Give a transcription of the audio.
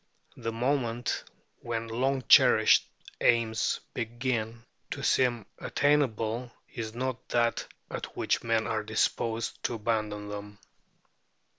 The moment when long cherished aims begin to seem attainable is not that at which men are disposed to abandon them.